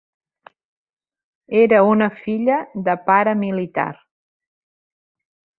Era una filla de pare militar.